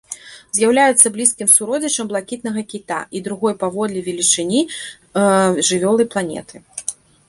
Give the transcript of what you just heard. З'яўляецца блізкім суродзічам блакітнага кіта і другой паводле велічыні жывёлай планеты.